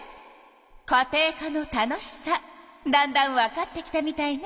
家庭科の楽しさだんだんわかってきたみたいね。